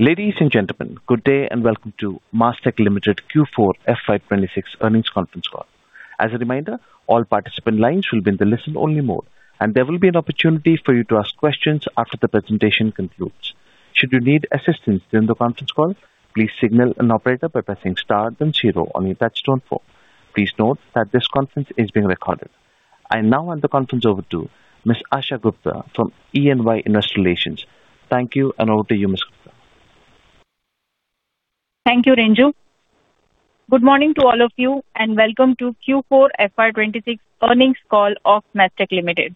Ladies and gentlemen, good day and welcome to Mastek Limited Q4 FY 2026 earnings conference call. As a reminder, all participant lines will be in the listen-only mode, and there will be an opportunity for you to ask questions after the presentation concludes. Should you need assistance during the conference call, please signal an operator by pressing star then zero on your touch-tone phone. Please note that this conference is being recorded. I now hand the conference over to Ms. Asha Gupta from E&Y Investor Relations. Thank you, and over to you, Ms. Gupta. Thank you, Renju. Good morning to all of you, and welcome to Q4 FY 2026 earnings call of Mastek Limited.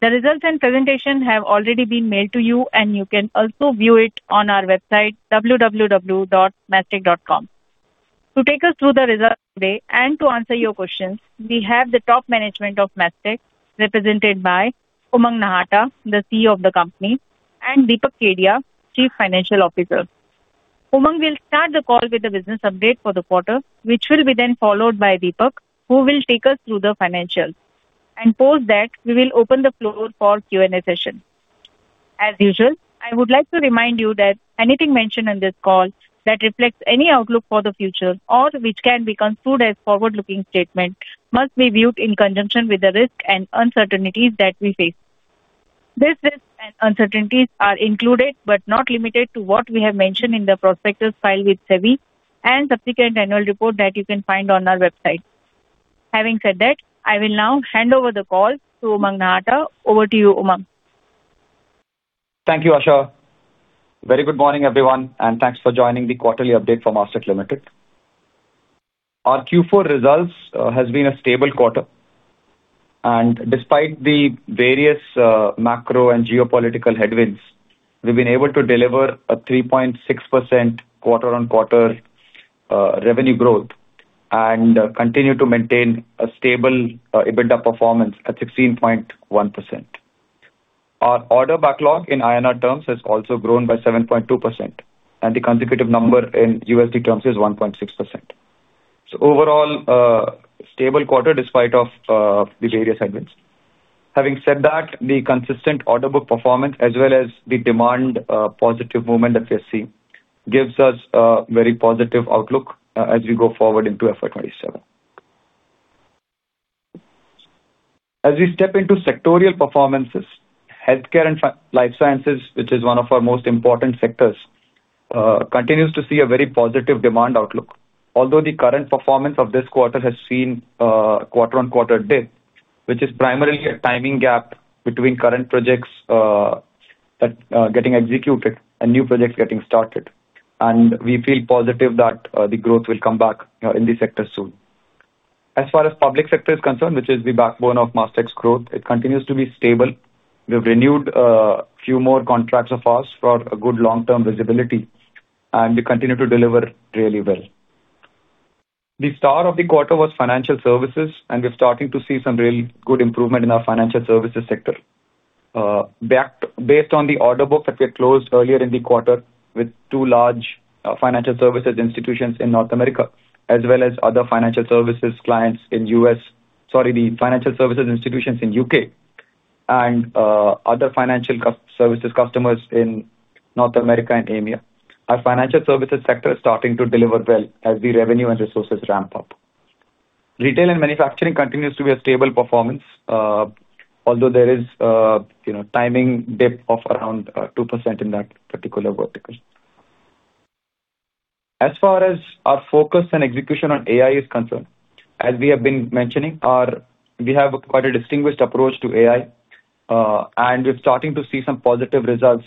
The results and presentation have already been mailed to you, and you can also view it on our website, www.mastek.com. To take us through the results today and to answer your questions, we have the top management of Mastek represented by Umang Nahata, the CEO of the company, and Deepak Kedia, Chief Financial Officer. Umang will start the call with a business update for the quarter, which will be then followed by Deepak, who will take us through the financials. For that, we will open the floor for Q&A session. As usual, I would like to remind you that anything mentioned on this call that reflects any outlook for the future or which can be construed as forward-looking statement must be viewed in conjunction with the risk and uncertainties that we face. These risks and uncertainties are included, but not limited to what we have mentioned in the prospectus filed with SEBI and subsequent annual report that you can find on our website. Having said that, I will now hand over the call to Umang Nahata. Over to you, Umang. Thank you, Asha. Very good morning, everyone, and thanks for joining the quarterly update for Mastek Limited. Our Q4 results has been a stable quarter. Despite the various macro and geopolitical headwinds, we've been able to deliver a 3.6% quarter-on-quarter revenue growth and continue to maintain a stable EBITDA performance at 16.1%. Our order backlog in INR terms has also grown by 7.2%, and the constant number in USD terms is 1.6%. Overall, a stable quarter despite the various headwinds. Having said that, the consistent order book performance as well as the demand positive momentum that we are seeing gives us a very positive outlook as we go forward into FY 2027. As we step into sectoral performances, Healthcare & Life Sciences, which is one of our most important sectors, continues to see a very positive demand outlook. Although the current performance of this quarter has seen a quarter-on-quarter dip, which is primarily a timing gap between current projects getting executed and new projects getting started. We feel positive that the growth will come back in the sector soon. As far as public sector is concerned, which is the backbone of Mastek's growth, it continues to be stable. We've renewed a few more contracts of ours for a good long-term visibility, and we continue to deliver really well. The star of the quarter was financial services, and we're starting to see some really good improvement in our financial services sector. Based on the order book that we had closed earlier in the quarter with two large financial services institutions in North America, as well as the financial services institutions in U.K. and other financial services customers in North America and AMEA. Our financial services sector is starting to deliver well as the revenue and resources ramp up. Retail and manufacturing continues to be a stable performance, although there is a timing dip of around 2% in that particular vertical. As far as our focus and execution on AI is concerned, as we have been mentioning, we have quite a distinguished approach to AI, and we're starting to see some positive results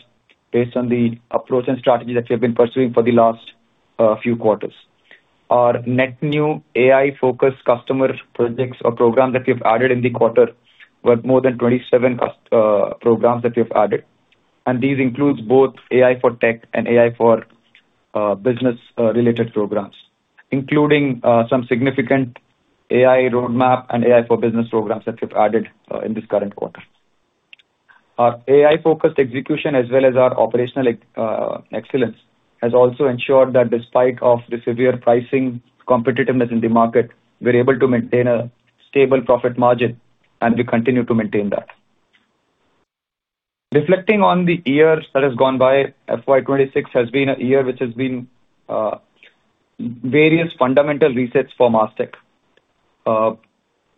based on the approach and strategy that we've been pursuing for the last few quarters. Our net new AI-focused customer projects or program that we've added in the quarter were more than 27 programs that we've added. These includes both AI for Tech and AI for Business-related programs, including some significant AI roadmap and AI for Business programs that we've added in this current quarter. Our AI-focused execution as well as our operational excellence has also ensured that despite of the severe pricing competitiveness in the market, we're able to maintain a stable profit margin, and we continue to maintain that. Reflecting on the year that has gone by, FY 2026 has been a year which has been various fundamental resets for Mastek.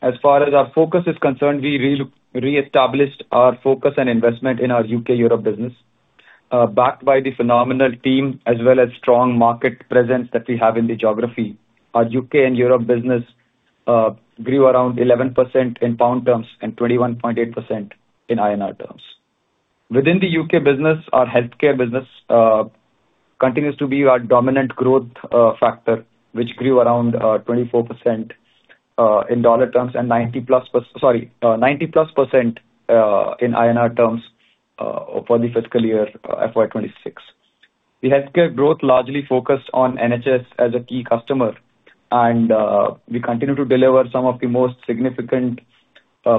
As far as our focus is concerned, we re-established our focus and investment in our U.K./Europe business. Backed by the phenomenal team as well as strong market presence that we have in the geography, our U.K. and Europe business grew around 11% in pound terms and 21.8% in INR terms. Within the U.K. business, our healthcare business continues to be our dominant growth factor, which grew around 24% in dollar terms and 90%+ in INR terms for the fiscal year FY 2026. The healthcare growth largely focused on NHS as a key customer, and we continue to deliver some of the most significant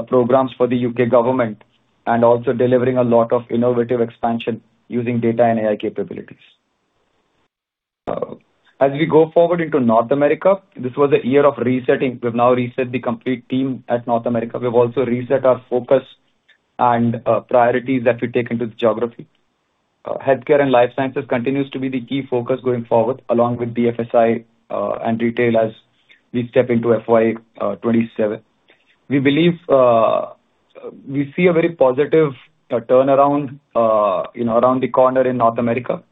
programs for the U.K. government and also delivering a lot of innovative expansion using data and AI capabilities. As we go forward into North America, this was a year of resetting. We've now reset the complete team at North America. We've also reset our focus and priorities as we take into the geography. Healthcare & Life Sciences continues to be the key focus going forward, along with BFSI and retail, as we step into FY 2027. We see a very positive turnaround around the corner in North America,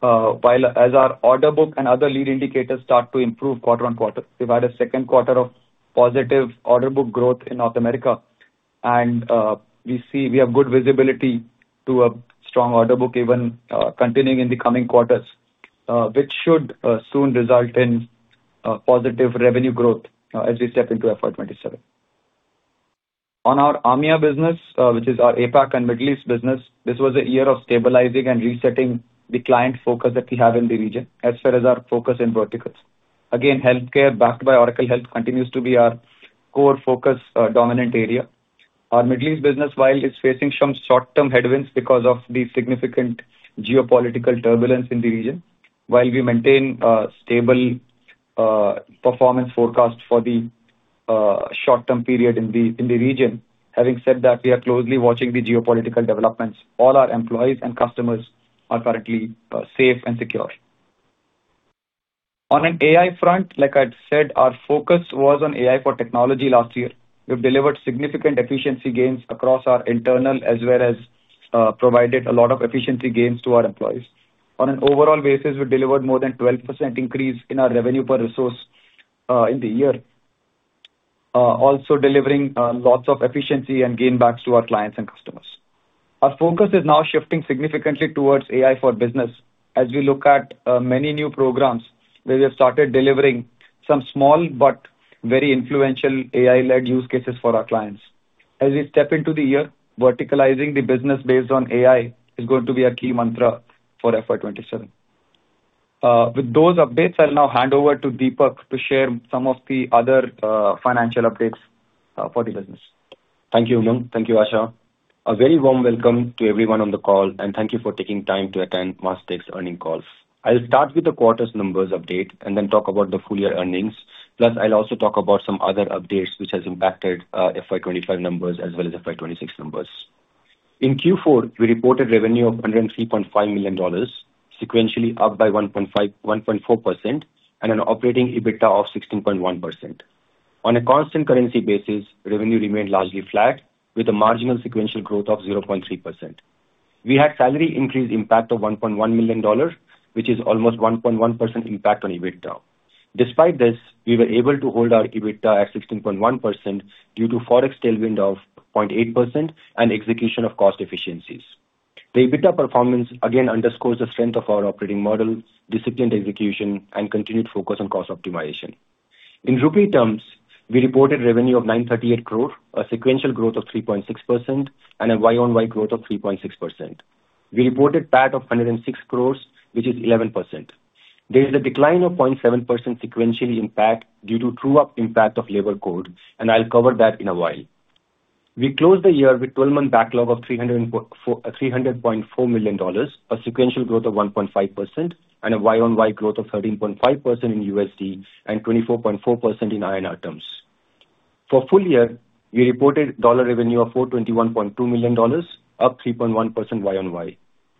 while as our order book and other lead indicators start to improve quarter-on-quarter. We've had a second quarter of positive order book growth in North America, and we have good visibility to a strong order book even continuing in the coming quarters, which should soon result in positive revenue growth as we step into FY 2027. On our AMEA business, which is our APAC and Middle East business, this was a year of stabilizing and resetting the client focus that we have in the region, as well as our focus in verticals. Again, healthcare backed by Oracle Health continues to be our core focus dominant area. Our Middle East business, while it's facing some short-term headwinds because of the significant geopolitical turbulence in the region. While we maintain a stable performance forecast for the short-term period in the region. Having said that, we are closely watching the geopolitical developments. All our employees and customers are currently safe and secure. On an AI front, like I said, our focus was on AI for Technology last year. We've delivered significant efficiency gains across our internal as well as provided a lot of efficiency gains to our employees. On an overall basis, we delivered more than 12% increase in our revenue per resource in the year, also delivering lots of efficiency gains back to our clients and customers. Our focus is now shifting significantly towards AI for Business as we look at many new programs where we have started delivering some small but very influential AI-led use cases for our clients. As we step into the year, verticalizing the business based on AI is going to be a key mantra for FY 2027. With those updates, I'll now hand over to Deepak to share some of the other financial updates for the business. Thank you, Umang. Thank you, Asha. A very warm welcome to everyone on the call, and thank you for taking time to attend Mastek's earnings call. I'll start with the quarter's numbers update and then talk about the full-year earnings. Plus, I'll also talk about some other updates which has impacted FY 2025 numbers as well as FY 2026 numbers. In Q4, we reported revnue of $103.5 million, sequentially up by 1.4%, and an operating EBITDA of 16.1%. On a constant currency basis, revenue remained largely flat with a marginal sequential growth of 0.3%. We had salary increase impact of $1.1 million, which is almost 1.1% impact on EBITDA. Despite this, we were able to hold our EBITDA at 16.1% due to Forex tailwind of 0.8% and execution of cost efficiencies. The EBITDA performance again underscores the strength of our operating model, disciplined execution and continued focus on cost optimization. In rupee terms, we reported revenue of 938 crore, a sequential growth of 3.6%, and a YoY growth of 3.6%. We reported PAT of 106 crore, which is 11%. There is a decline of 0.7% sequentially in PAT due to true-up impact of labor code, and I'll cover that in a while. We closed the year with 12-month backlog of $300.4 million, a sequential growth of 1.5% and a YoY growth of 13.5% in USD and 24.4% in INR terms. For full year, we reported dollar revenue of $421.2 million, up 3.1% YoY.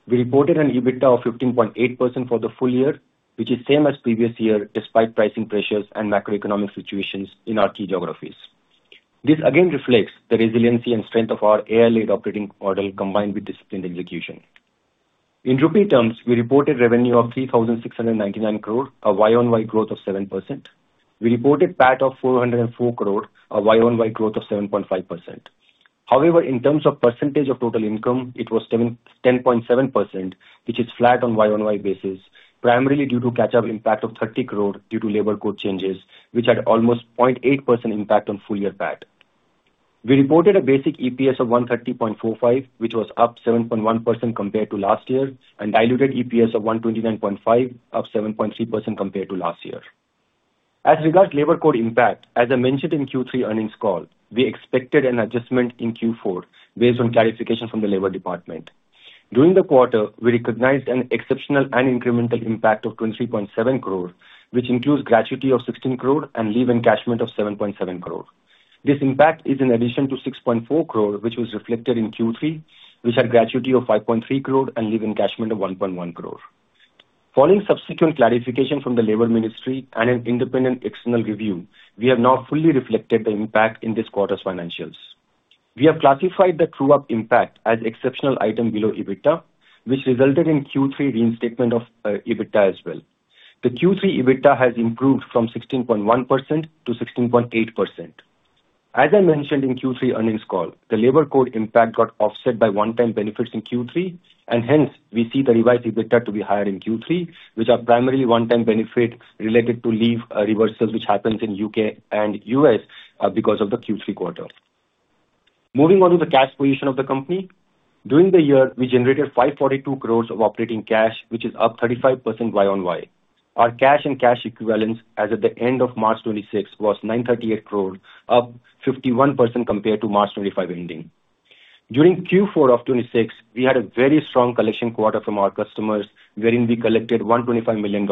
We reported an EBITDA of 15.8% for the full year, which is same as previous year despite pricing pressures and macroeconomic situations in our key geographies. This again reflects the resiliency and strength of our AI-led operating model combined with disciplined execution. In rupee terms, we reported revenue of 3,699 crore, a YoY growth of 7%. We reported PAT of 404 crore, a YoY growth of 7.5%. However, in terms of percentage of total income, it was 10.7%, which is flat on YoY basis, primarily due to catch-up impact of 30 crore due to labor code changes, which had almost 0.8% impact on full year PAT. We reported a basic EPS of 130.45 crore, which was up 7.1% compared to last year, and diluted EPS of 129.5 crore, up 7.3% compared to last year. As regards labor code impact, as I mentioned in Q3 earnings call, we expected an adjustment in Q4 based on clarification from the Labor Department. During the quarter, we recognized an exceptional and incremental impact of 23.7 crore, which includes gratuity of 16 crore and leave encashment of 7.7 crore. This impact is in addition to 6.4 crore, which was reflected in Q3, which had gratuity of 5.3 crore and leave encashment of 1.1 crore. Following subsequent clarification from the Labor Ministry and an independent external review, we have now fully reflected the impact in this quarter's financials. We have classified the true-up impact as exceptional item below EBITDA, which resulted in Q3 reinstatement of EBITDA as well. The Q3 EBITDA has improved from 16.1% to 16.8%. As I mentioned in Q3 earnings call, the labor code impact got offset by one-time benefits in Q3, and hence we see the revised EBITDA to be higher in Q3, which are primarily one-time benefit related to leave reversals, which happens in U.K. and U.S. because of the Q3 quarter. Moving on to the cash position of the company. During the year, we generated 542 crores of operating cash, which is up 35% YoY. Our cash and cash equivalents as of the end of March 2026 was 938 crore, up 51% compared to March 2025 ending. During Q4 of 2026, we had a very strong collection quarter from our customers, wherein we collected $125 million,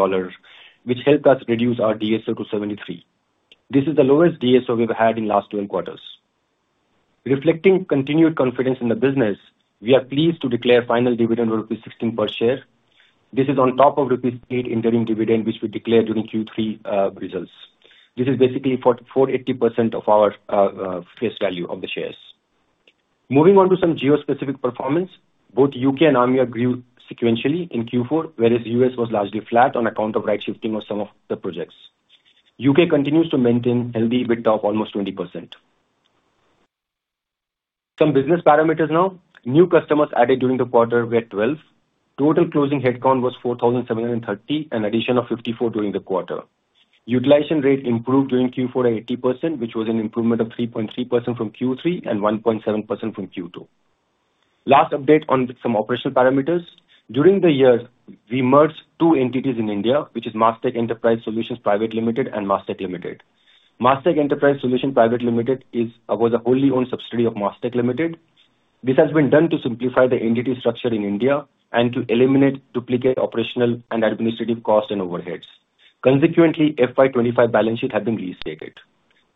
which helped us reduce our DSO to 73. This is the lowest DSO we've had in last 12 quarters. Reflecting continued confidence in the business, we are pleased to declare final dividend rupees 16 per share. This is on top of rupees 8 interim dividend, which we declared during Q3 results. This is basically 48% of our face value of the shares. Moving on to some geo-specific performance. Both U.K. and AMEA grew sequentially in Q4, whereas U.S. was largely flat on account of right shifting of some of the projects. U.K. continues to maintain healthy EBITDA of almost 20%. Some business parameters now. New customers added during the quarter were 12. Total closing headcount was 4,730, an addition of 54 during the quarter. Utilization rate improved during Q4 at 80%, which was an improvement of 3.3% from Q3 and 1.7% from Q2. Last update on some operational parameters. During the year, we merged two entities in India, which is Mastek Enterprise Solutions Private Limited and Mastek Limited. Mastek Enterprise Solutions Private Limited was a wholly owned subsidiary of Mastek Limited. This has been done to simplify the entity structure in India and to eliminate duplicate operational and administrative cost and overheads. Consequently, FY 2025 balance sheet has been restated.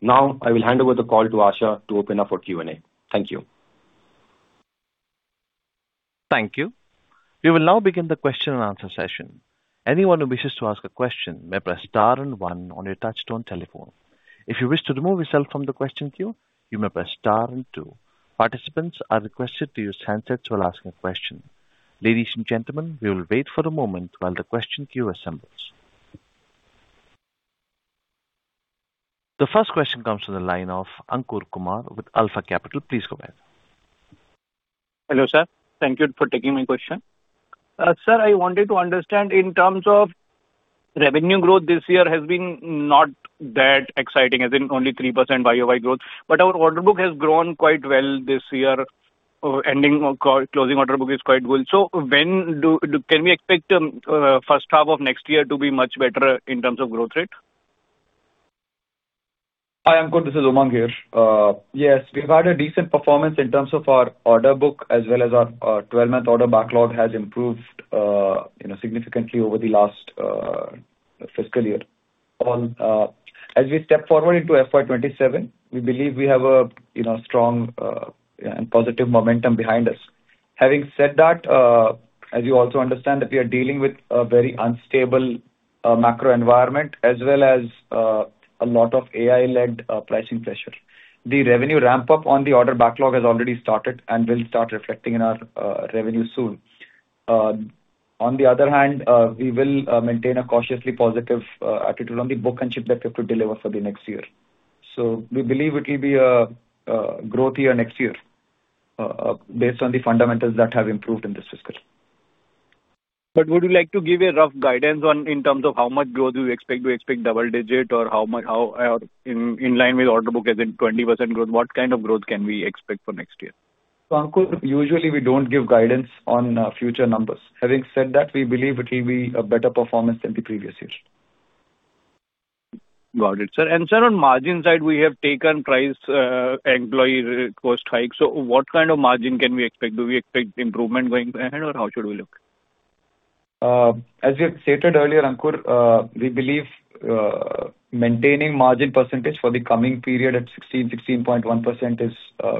Now I will hand over the call to Asha to open up for Q&A. Thank you. Thank you. We will now begin the question-and-answer session. Anyone who wishes to ask a question may press star and one on your touch-tone telephone. If you wish to remove yourself from the question queue, you may press star and two. Participants are requested to use handsets while asking a question. Ladies and gentlemen, we will wait for a moment while the question queue assembles. The first question comes from the line of Ankur Kumar with Alpha Capital. Please go ahead. Hello, sir. Thank you for taking my question. Sir, I wanted to understand in terms of revenue growth this year has been not that exciting, as in only 3% YoY growth, but our order book has grown quite well this year. Our closing order book is quite good. Can we expect first half of next year to be much better in terms of growth rate? Hi, Ankur. This is Umang here. Yes. We've had a decent performance in terms of our order book, as well as our 12-month order backlog has improved significantly over the last fiscal year. As we step forward into FY 2027, we believe we have a strong and positive momentum behind us. Having said that, as you also understand that we are dealing with a very unstable macro environment as well as a lot of AI-led pricing pressure. The revenue ramp-up on the order backlog has already started and will start reflecting in our revenue soon. On the other hand, we will maintain a cautiously positive attitude on the book and ship that we have to deliver for the next year. We believe it will be a growth year next year, based on the fundamentals that have improved in this fiscal. Would you like to give a rough guidance in terms of how much growth you expect, do you expect double digit or in line with order book, as in 20% growth? What kind of growth can we expect for next year? Ankur, usually we don't give guidance on future numbers. Having said that, we believe it will be a better performance than the previous year. Got it, sir. Sir, on margin side, we have taken price, employee cost hike, so what kind of margin can we expect? Do we expect improvement going ahead or how should we look? As we have stated earlier, Ankur, we believe maintaining margin percentage for the coming period at 16.1% is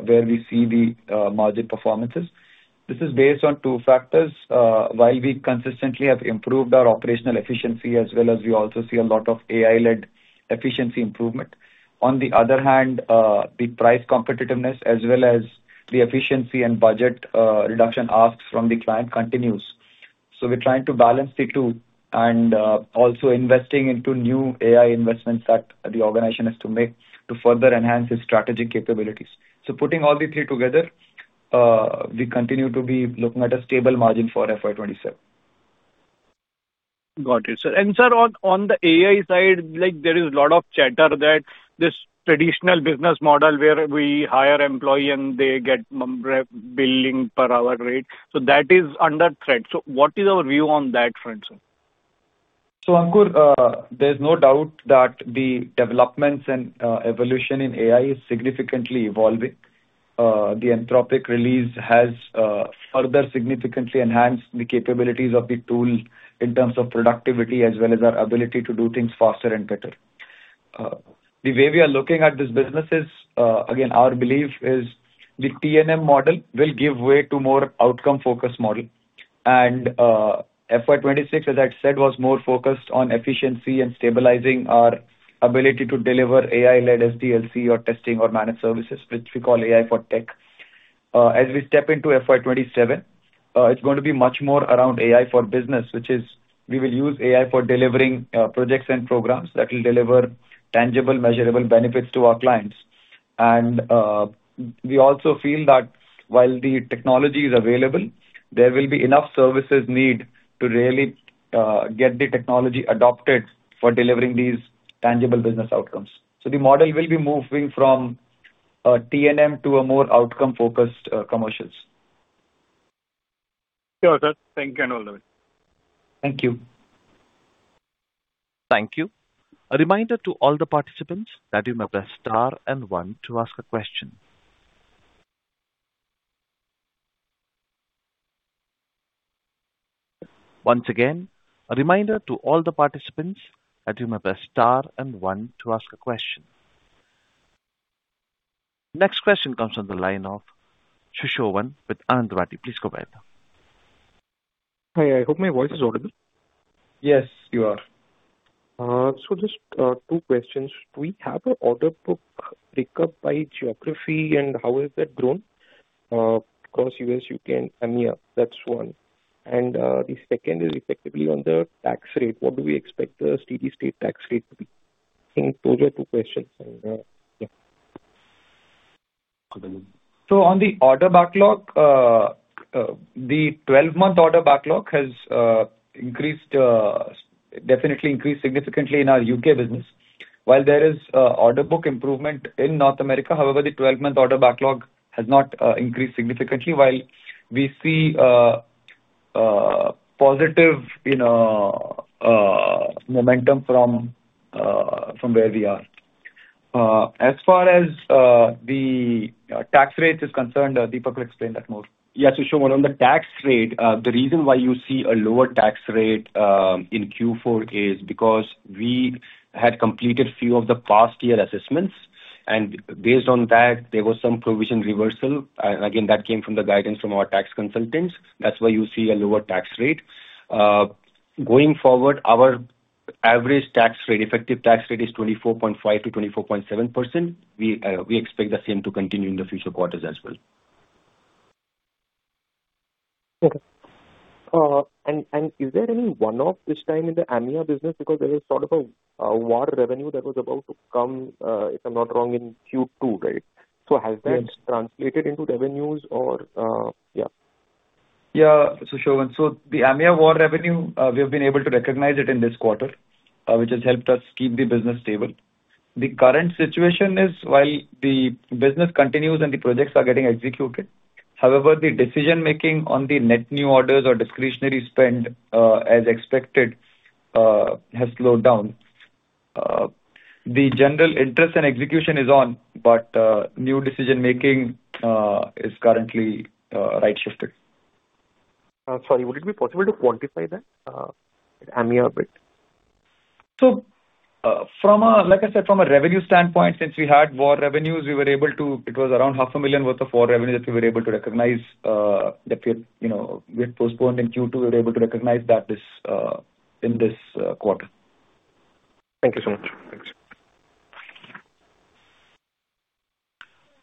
where we see the margin performances. This is based on two factors. While we consistently have improved our operational efficiency as well as we also see a lot of AI-led efficiency improvement. On the other hand, the price competitiveness as well as the efficiency and budget reduction asks from the client continues. We're trying to balance the two and also investing into new AI investments that the organization has to make to further enhance its strategic capabilities. Putting all the three together, we continue to be looking at a stable margin for FY 2027. Got it, sir. Sir, on the AI side, there is a lot of chatter that this traditional business model where we hire employee and they get billing per hour rate, so that is under threat. What is our view on that front, sir? Ankur, there's no doubt that the developments and evolution in AI is significantly evolving. The Anthropic release has further significantly enhanced the capabilities of the tool in terms of productivity as well as our ability to do things faster and better. The way we are looking at this business is, again, our belief is the TNM model will give way to more outcome-focused model. FY 2026, as I said, was more focused on efficiency and stabilizing our ability to deliver AI-led SDLC or testing or managed services, which we call AI for Tech. As we step into FY 2027, it's going to be much more around AI for Business, which is we will use AI for delivering projects and programs that will deliver tangible, measurable benefits to our clients. We also feel that while the technology is available, there will be enough services needed to really get the technology adopted for delivering these tangible business outcomes. The model will be moving from a TNM to a more outcome-focused commercials. Sure, sir. Thank you [and all the way]. Thank you. Thank you. A reminder to all the participants that you may press star and one to ask a question. Once again, a reminder to all the participants that you may press star and one to ask a question. Next question comes on the line of Sushovan with Anand Rathi. Please go ahead. Hi, I hope my voice is audible. Yes, you are. Just two questions. Do we have an order book break-up by geography and how has that grown? Across U.S., U.K. and AMEA. That's one. The second is effectively on the tax rate. What do we expect the steady-state tax rate to be? I think those are two questions. Yeah. On the order backlog, the 12-month order backlog has definitely increased significantly in our U.K. business. While there is order book improvement in North America, however, the 12-month order backlog has not increased significantly while we see positive momentum from where we are. As far as the tax rate is concerned, Deepak will explain that more. Yeah. Sushovan, on the tax rate, the reason why you see a lower tax rate in Q4 is because we had completed a few of the past year assessments, and based on that, there was some provision reversal. Again, that came from the guidance from our tax consultants. That's why you see a lower tax rate. Going forward, our average tax rate, effective tax rate is 24.5%-24.7%. We expect the same to continue in the future quarters as well. Okay. Is there any one-off this time in the AMEA business because there was sort of a war revenue that was about to come, if I'm not wrong, in Q2, right? Has that translated into revenues or yeah. Yeah. Sushovan, the AMEA war revenue, we have been able to recognize it in this quarter, which has helped us keep the business stable. The current situation is while the business continues and the projects are getting executed, however, the decision-making on the net new orders or discretionary spend, as expected, has slowed down. The general interest and execution is on, but new decision-making is currently right-shifted. Sorry, would it be possible to quantify that AMEA bit? Like I said, from a revenue standpoint, since we had war revenues, it was around 500,000 worth of war revenue that we had postponed in Q2, we were able to recognize that in this quarter. Thank you so much. Thanks.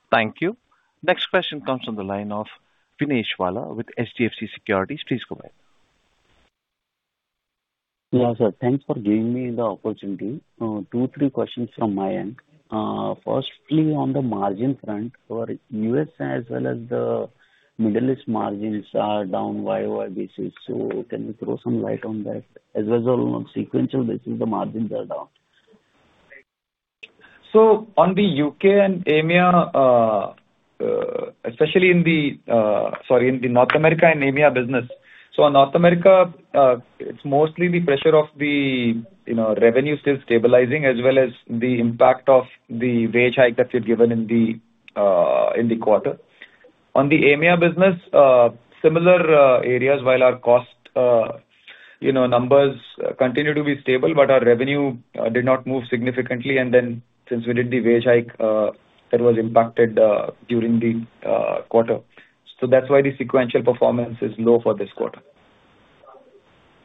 Thank you. Next question comes from the line of Vinesh Vala with HDFC Securities. Please go ahead. Yeah, sir, thanks for giving me the opportunity. Two or three questions from my end. First, on the margin front, for the U.S. as well as the Middle East, margins are down on a YoY basis, so can you throw some light on that? As well as on a sequential basis, the margins are down. On the U.K. and AMEA, in the North America and AMEA business. North America, it's mostly the pressure of the revenue still stabilizing as well as the impact of the wage hike that we had given in the quarter. On the AMEA business, similar areas, while our cost numbers continue to be stable, but our revenue did not move significantly and then since we did the wage hike, that was impacted during the quarter. That's why the sequential performance is low for this quarter.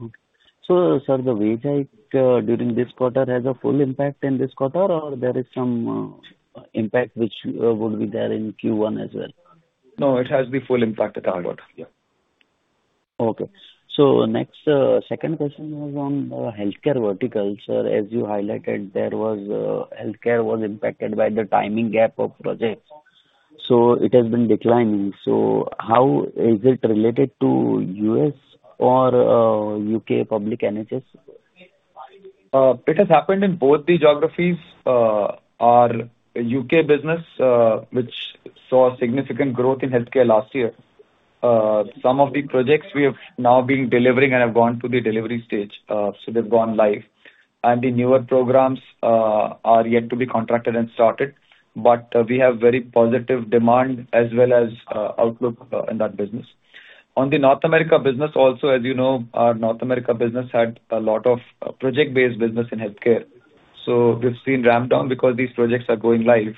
Okay. Sir, the wage hike during this quarter has a full impact in this quarter or there is some impact which would be there in Q1 as well? No, it has the full impact at our quarter. Yeah. Okay. Next, second question was on the healthcare vertical. Sir, as you highlighted, healthcare was impacted by the timing gap of projects. It has been declining. How is it related to U.S. or U.K. public NHS? It has happened in both the geographies. Our U.K. business, which saw significant growth in healthcare last year, some of the projects we have now been delivering and have gone to the delivery stage. They've gone live. The newer programs are yet to be contracted and started. We have very positive demand as well as outlook in that business. On the North America business also, as you know, our North America business had a lot of project-based business in healthcare. We've seen ramp down because these projects are going live.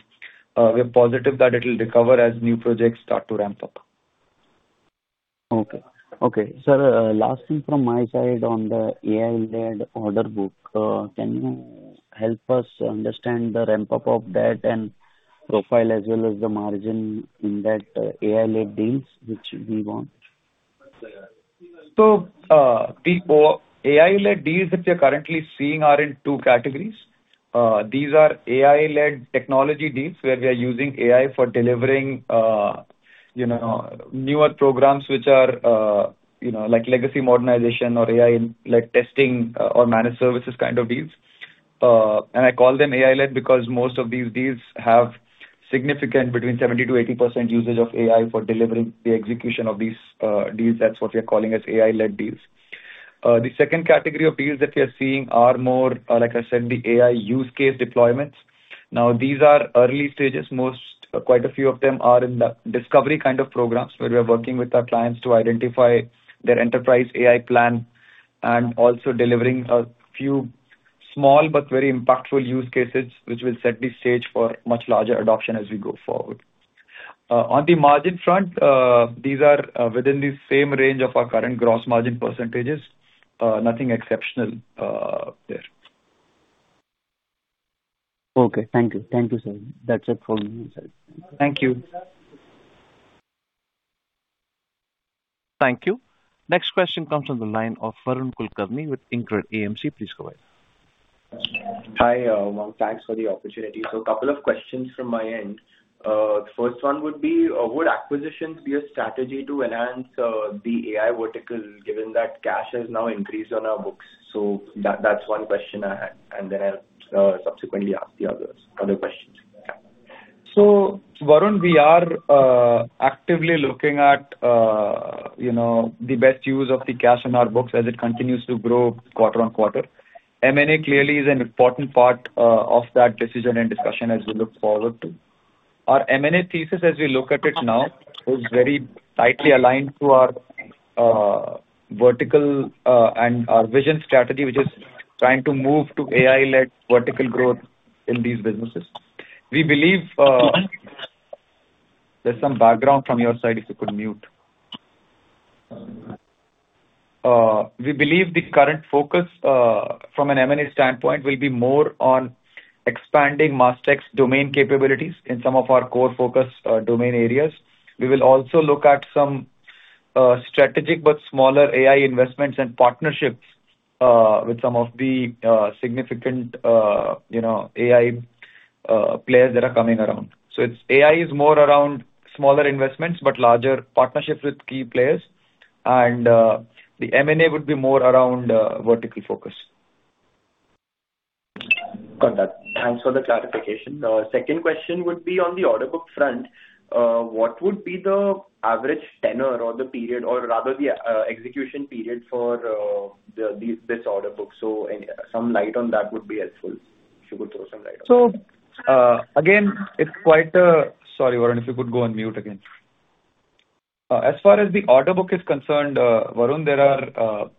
We are positive that it'll recover as new projects start to ramp up. Okay. Sir, last thing from my side on the AI-led order book. Can you help us understand the ramp-up of that and profile as well as the margin in that AI-led deals which we want? The AI-led deals which we are currently seeing are in two categories. These are AI-led technology deals where we are using AI for delivering newer programs which are legacy modernization or AI-led testing or managed services kind of deals. I call them AI-led because most of these deals have significant between 70%-80% usage of AI for delivering the execution of these deals. That's what we are calling as AI-led deals. The second category of deals that we are seeing are more, like I said, the AI use case deployments. Now, these are early stages. Quite a few of them are in the discovery kind of programs, where we are working with our clients to identify their enterprise AI plan and also delivering a few small but very impactful use cases, which will set the stage for much larger adoption as we go forward. On the margin front, these are within the same range of our current gross margin percentages. Nothing exceptional there. Okay. Thank you. Thank you, sir. That's it from me, sir. Thank you. Thank you. Next question comes from the line of Varun Kulkarni with InCred AMC. Please go ahead. Hi, Umang. Thanks for the opportunity. A couple of questions from my end. The first one would be, would acquisitions be a strategy to enhance the AI vertical, given that cash has now increased on our books? That's one question I had, and then I'll subsequently ask the other questions. Varun, we are actively looking at the best use of the cash on our books as it continues to grow quarter-on-quarter. M&A clearly is an important part of that decision and discussion as we look forward to. Our M&A thesis, as we look at it now, is very tightly aligned to our vertical and our vision strategy, which is trying to move to AI-led vertical growth in these businesses. We believe the current focus from an M&A standpoint will be more on expanding Mastek's domain capabilities in some of our core focus domain areas. We will also look at some strategic but smaller AI investments and partnerships, with some of the significant AI players that are coming around. AI is more around smaller investments, but larger partnerships with key players. The M&A would be more around vertical focus. Got that. Thanks for the clarification. Second question would be on the order book front. What would be the average tenure or the period or rather the execution period for this order book? Some light on that would be helpful. If you could throw some light on that. Sorry, Varun, if you could go on mute again. As far as the order book is concerned, Varun, there are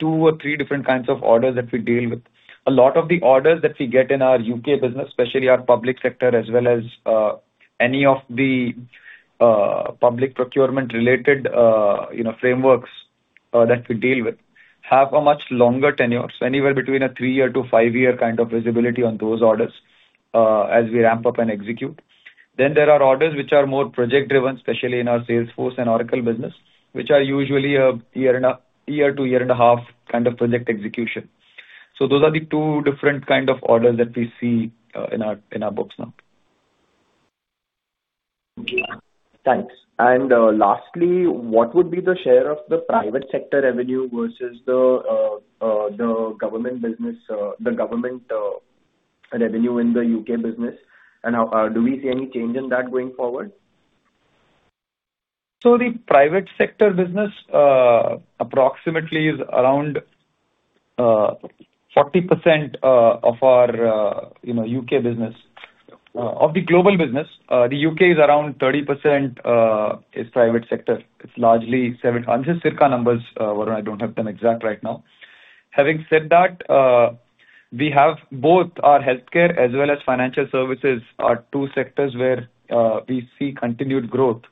two or three different kinds of orders that we deal with. A lot of the orders that we get in our U.K. business, especially our public sector, as well as any of the public procurement-related frameworks that we deal with, have a much longer tenure. Anywhere between a three-year to five-year kind of visibility on those orders, as we ramp up and execute. There are orders which are more project-driven, especially in our Salesforce and Oracle business, which are usually a year to a year and a half kind of project execution. Those are the two different kind of orders that we see in our books now. Thanks. Lastly, what would be the share of the private sector revenue versus the government revenue in the U.K. business, and do we see any change in that going forward? The private sector business approximately is around 40% of our U.K. business. Of the global business, the U.K. is around 30% is private sector. It's largely. I'm just circa numbers, Varun, I don't have them exact right now. Having said that, we have both our healthcare as well as financial services, are two sectors where we see continued growth.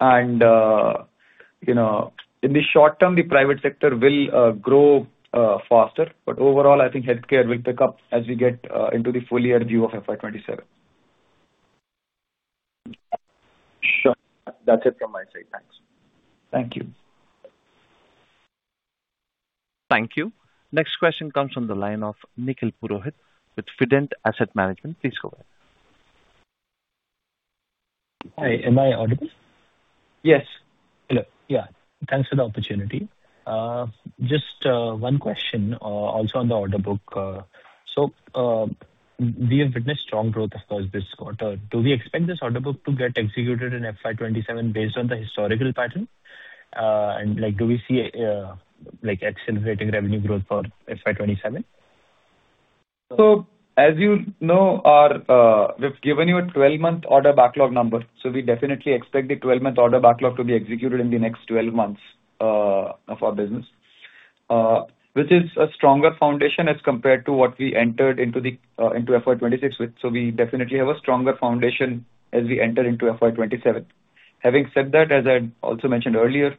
In the short term, the private sector will grow faster. Overall, I think healthcare will pick up as we get into the full-year view of FY 2027. Sure. That's it from my side. Thanks. Thank you. Thank you. Next question comes from the line of Nikhil Purohit with Fident Asset Management. Please go ahead. Hi. Am I audible? Yes. Hello. Yeah. Thanks for the opportunity. Just one question, also on the order book. We have witnessed strong growth across this quarter. Do we expect this order book to get executed in FY 2027 based on the historical pattern? And do we see accelerated revenue growth for FY 2027? As you know, we've given you a 12-month order backlog number. We definitely expect the 12-month order backlog to be executed in the next 12 months of our business. Which is a stronger foundation as compared to what we entered into FY 2026 with. We definitely have a stronger foundation as we enter into FY 2027. Having said that, as I also mentioned earlier,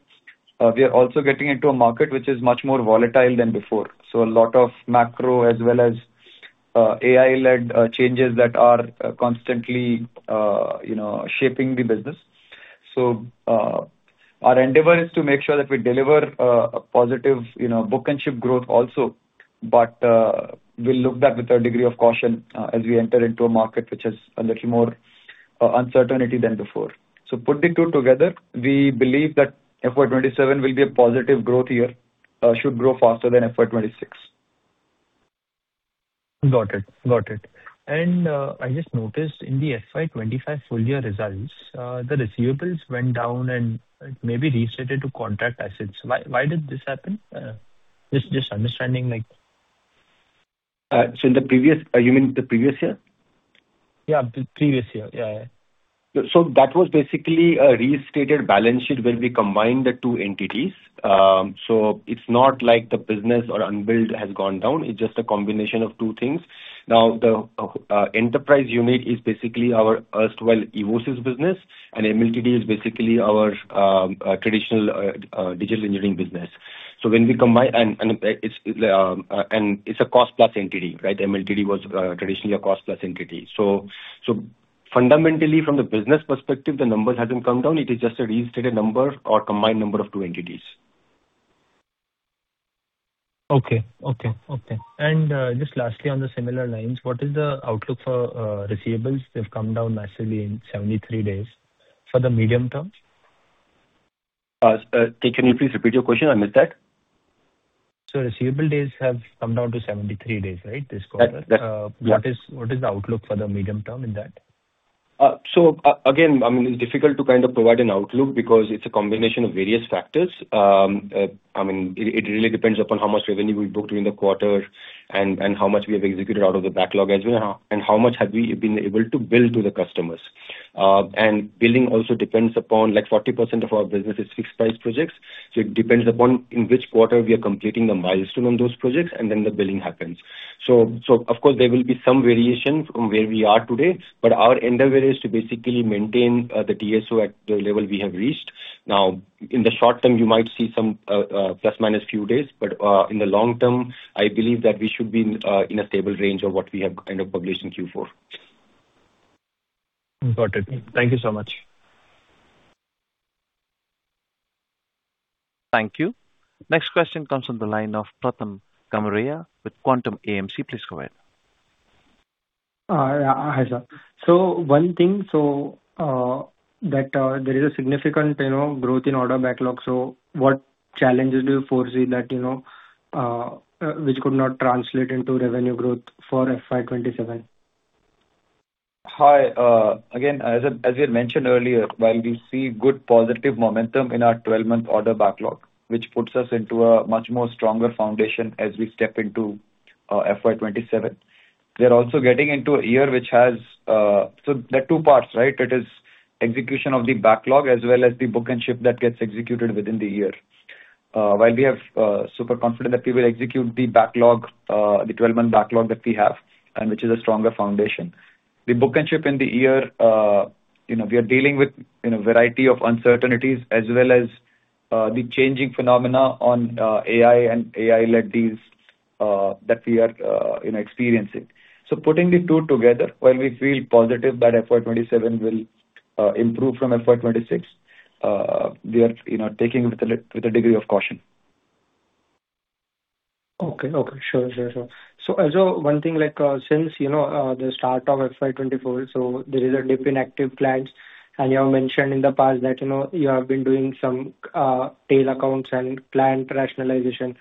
we are also getting into a market which is much more volatile than before. A lot of macro as well as AI-led changes that are constantly shaping the business. Our endeavor is to make sure that we deliver a positive book and ship growth also. We'll look that with a degree of caution as we enter into a market which has a little more uncertainty than before. Put the two together, we believe that FY 2027 will be a positive growth year, should grow faster than FY 2026. Got it. I just noticed in the FY 2025 full year results, the receivables went down and maybe restated to contract assets. Why did this happen? Just understanding like. You mean the previous year? Yeah, the previous year. Yeah. That was basically a restated balance sheet when we combined the two entities. It's not like the business or unbilled has gone down. It's just a combination of two things. Now, the enterprise unit is basically our erstwhile Evosys business, and MLTD is basically our traditional digital engineering business. It's a cost plus entity, right? MLTD was traditionally a cost plus entity. Fundamentally from the business perspective, the numbers hasn't come down. It is just a restated number or combined number of two entities. Okay. Just lastly, on the similar lines, what is the outlook for receivables? They've come down massively in 73 days for the medium term. Can you please repeat your question? I missed that. Receivable days have come down to 73 days, right? This quarter. Yeah. What is the outlook for the medium term in that? Again, I mean, it's difficult to kind of provide an outlook because it's a combination of various factors. It really depends upon how much revenue we booked during the quarter and how much we have executed out of the backlog as well, and how much have we been able to bill to the customers. Billing also depends upon like 40% of our business is fixed-price projects. It depends upon in which quarter we are completing the milestone on those projects, and then the billing happens. Of course there will be some variation from where we are today, but our endeavor is to basically maintain the DSO at the level we have reached. Now, in the short term, you might see some plus-minus few days, but in the long term, I believe that we should be in a stable range of what we have kind of published in Q4. Got it. Thank you so much. Thank you. Next question comes from the line of Pratham Kankariya with Quantum AMC. Please go ahead. Hi, sir. One thing is that there is a significant growth in order backlog. What challenges do you foresee which could not translate into revenue growth for FY 2027? Hi. Again, as we had mentioned earlier, while we see good positive momentum in our 12-month order backlog, which puts us into a much more stronger foundation as we step into FY 2027. We're also getting into a year. There are two parts, right? It is execution of the backlog as well as the book and ship that gets executed within the year. While we are super confident that we will execute the 12-month backlog that we have, and which is a stronger foundation. The book and ship in the year, we are dealing with variety of uncertainties as well as the changing phenomena on AI and AI-led deals that we are experiencing. Putting the two together, while we feel positive that FY 2027 will improve from FY 2026, we are taking it with a degree of caution. Okay. Sure. also one thing, like since the start of FY 2024, so there is a dip in active clients, and you have mentioned in the past that you have been doing some tail accounts and client rationalization.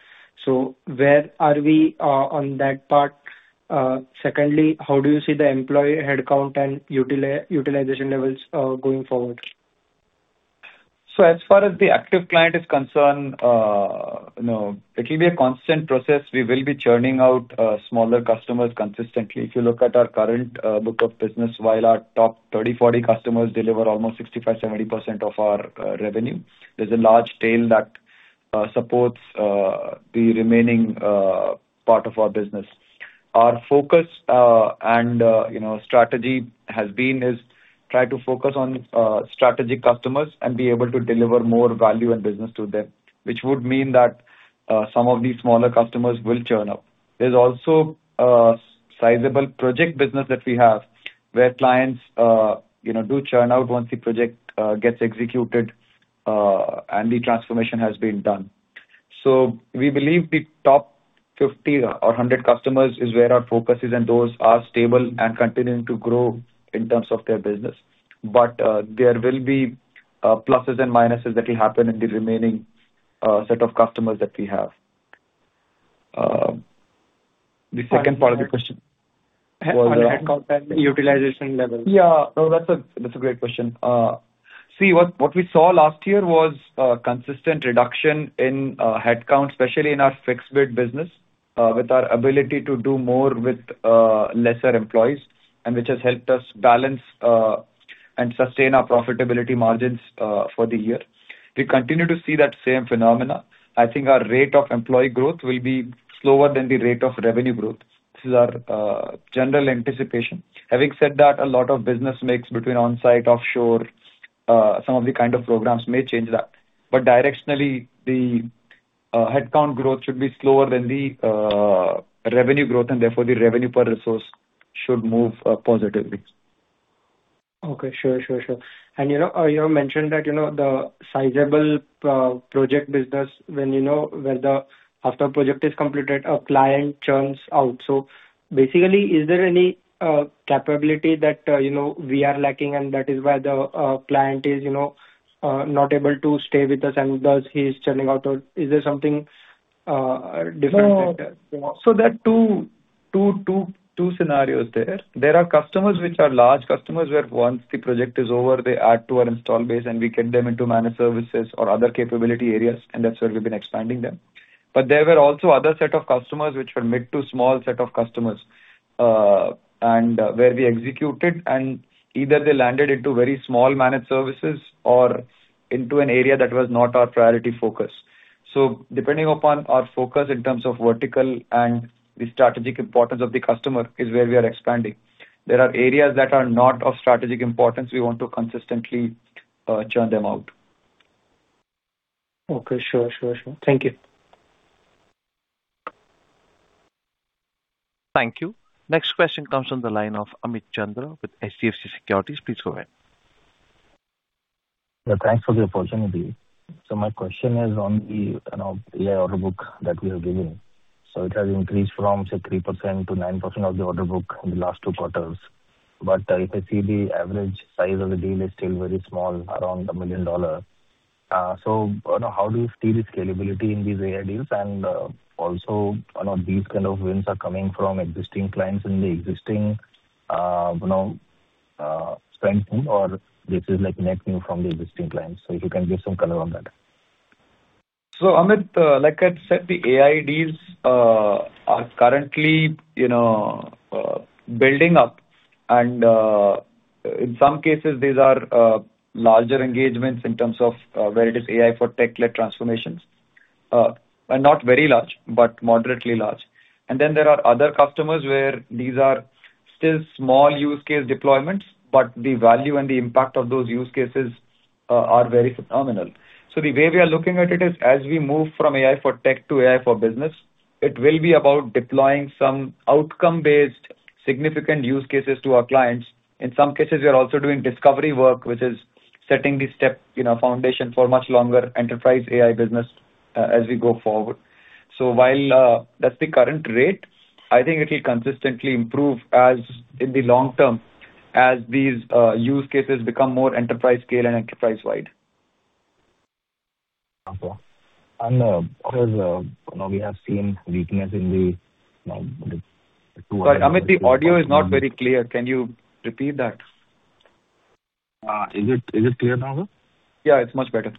Where are we on that part? Secondly, how do you see the employee headcount and utilization levels going forward? As far as the active client is concerned, it will be a constant process. We will be churning out smaller customers consistently. If you look at our current book of business, while our top 30, 40 customers deliver almost 65%-70% of our revenue, there's a large tail that supports the remaining part of our business. Our focus and strategy has been is try to focus on strategic customers and be able to deliver more value and business to them, which would mean that some of these smaller customers will churn out. There's also a sizable project business that we have where clients do churn out once the project gets executed, and the transformation has been done. We believe the top 50 or 100 customers is where our focus is, and those are stable and continuing to grow in terms of their business. There will be pluses and minuses that will happen in the remaining set of customers that we have. The second part of the question was? On the headcount and utilization levels. Yeah. No, that's a great question. See, what we saw last year was a consistent reduction in headcount, especially in our fixed bid business, with our ability to do more with lesser employees, and which has helped us balance and sustain our profitability margins for the year. We continue to see that same phenomena. I think our rate of employee growth will be slower than the rate of revenue growth. This is our general anticipation. Having said that, a lot of business mix between on-site, offshore, some of the kind of programs may change that. Directionally, the headcount growth should be slower than the revenue growth, and therefore the revenue per resource should move positively. Okay. Sure. You have mentioned that the sizable project business when after project is completed, a client churns out. Basically, is there any capability that we are lacking and that is why the client is not able to stay with us and thus he's churning out or is there something different? No. Two scenarios there. There are customers which are large customers where once the project is over, they add to our installed base and we get them into managed services or other capability areas, and that's where we've been expanding them. There were also other set of customers which were mid- to small set of customers, where we executed and either they landed into very small managed services or into an area that was not our priority focus. Depending upon our focus in terms of vertical and the strategic importance of the customer is where we are expanding. There are areas that are not of strategic importance. We want to consistently churn them out. Okay. Sure. Thank you. Thank you. Next question comes from the line of Amit Chandra with HDFC Securities. Please go ahead. Yeah, thanks for the opportunity. My question is on the AI order book that we have given. It has increased from, say, 3%-9% of the order book in the last two quarters. If I see the average size of the deal is still very small, around $1 million. How do you see the scalability in these AI deals? Also, these kind of wins are coming from existing clients in the existing strength or this is net new from the existing clients. If you can give some color on that. Amit, like I said, the AI deals are currently building up and in some cases these are larger engagements in terms of where it is AI for Tech-led transformations. Not very large, but moderately large. Then there are other customers where these are still small use case deployments, but the value and the impact of those use cases are very phenomenal. The way we are looking at it is as we move from AI for Tech to AI for Business, it will be about deploying some outcome-based significant use cases to our clients. In some cases, we are also doing discovery work, which is setting the step foundation for much longer enterprise AI business as we go forward. While that's the current rate, I think it will consistently improve in the long term as these use cases become more enterprise scale and enterprise-wide. Okay. Because we have seen weakness. Sorry, Amit, the audio is not very clear. Can you repeat that? Is it clear now, sir? Yeah, it's much better.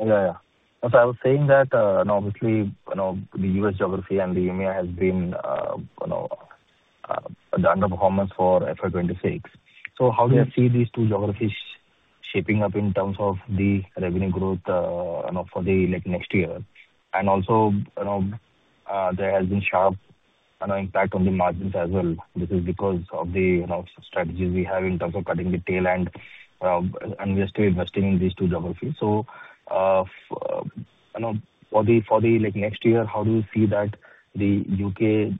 Yeah. I was saying that obviously, the U.S. geography and the AMEA has been underperformance for FY 2026. How do you see these two geographies shaping up in terms of the revenue growth for the next year? Also, there has been sharp impact on the margins as well. This is because of the strategies we have in terms of cutting the tail end and we are still investing in these two geographies. For the next year, how do you see that the U.K.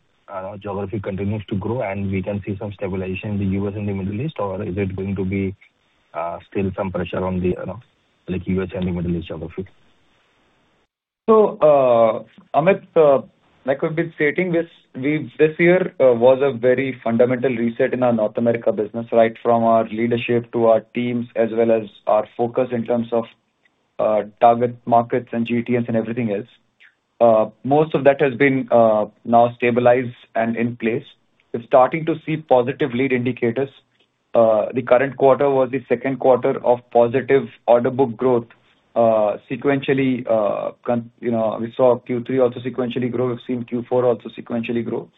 geography continues to grow and we can see some stabilization in the U.S. and the Middle East? Or is it going to be still some pressure on the U.S. and the Middle East geography? Amit, like we've been stating, this year was a very fundamental reset in our North America business, right from our leadership to our teams as well as our focus in terms of target markets and GTMs and everything else. Most of that has been now stabilized and in place. We're starting to see positive lead indicators. The current quarter was the second quarter of positive order book growth. We saw Q3 also sequentially grow. We've seen Q4 also sequentially grow.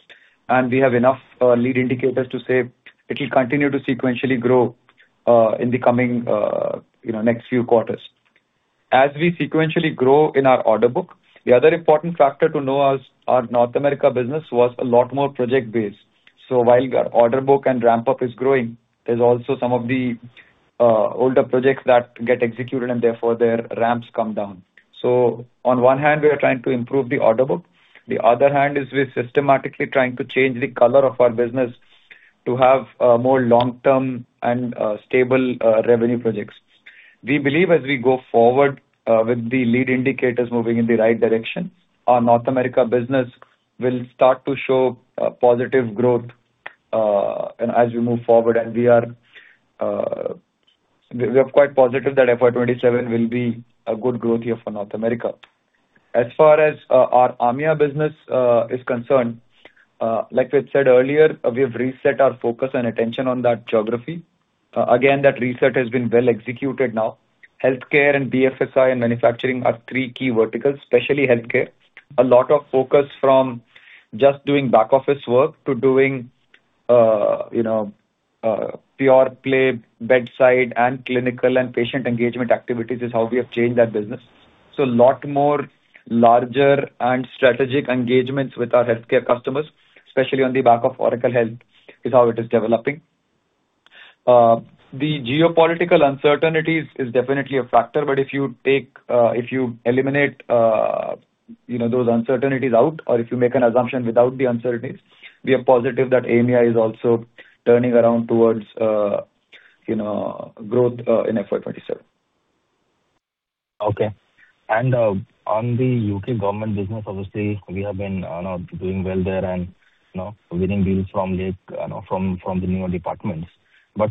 We have enough lead indicators to say it will continue to sequentially grow in the coming next few quarters. As we sequentially grow in our order book, the other important factor to know is our North America business was a lot more project-based. While our order book and ramp up is growing, there's also some of the older projects that get executed and therefore their ramps come down. On one hand, we are trying to improve the order book. The other hand is we're systematically trying to change the color of our business to have more long-term and stable revenue projects. We believe as we go forward with the lead indicators moving in the right direction, our North America business will start to show positive growth as we move forward. We are quite positive that FY 2027 will be a good growth year for North America. As far as our AMEA business is concerned, like we had said earlier, we have reset our focus and attention on that geography. Again, that reset has been well executed now. Healthcare and BFSI and manufacturing are three key verticals, especially healthcare. A lot of focus from just doing back office work to doing pure play bedside and clinical and patient engagement activities is how we have changed that business. A lot more larger and strategic engagements with our healthcare customers, especially on the back of Oracle Health, is how it is developing. The geopolitical uncertainties is definitely a factor, but if you eliminate those uncertainties out or if you make an assumption without the uncertainties, we are positive that AMEA is also turning around towards growth in FY 2027. Okay. On the U.K. government business, obviously, we have been doing well there and winning deals from the newer departments.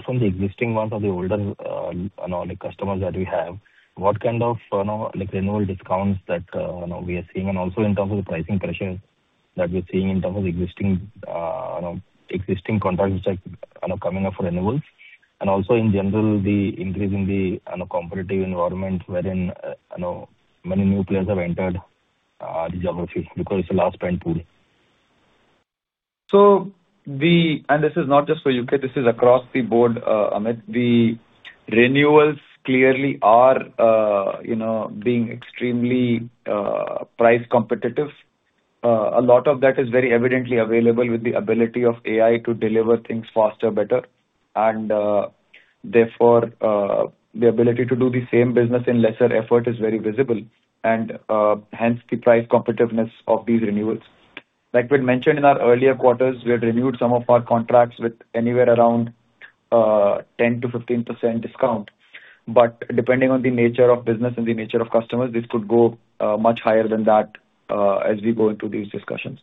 From the existing ones or the older customers that we have, what kind of renewal discounts that we are seeing? Also in terms of the pricing pressures that we're seeing in terms of existing contracts which are now coming up for renewals and also in general, the increase in the competitive environment wherein many new players have entered the geography because it's a large spend pool. This is not just for U.K., this is across the board, Amit. The renewals clearly are being extremely price competitive. A lot of that is very evidently available with the ability of AI to deliver things faster, better, and therefore, the ability to do the same business in lesser effort is very visible and hence the price competitiveness of these renewals. Like we had mentioned in our earlier quarters, we had renewed some of our contracts with anywhere around 10%-15% discount. But depending on the nature of business and the nature of customers, this could go much higher than that as we go into these discussions.